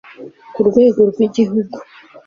ku rwego rw'igihugu